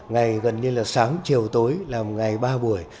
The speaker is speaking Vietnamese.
ngày gần như là sáng chiều tối làm ngày ba buổi